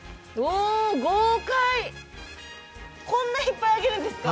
こんないっぱいあげるんですか？